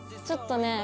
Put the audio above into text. ちょっとね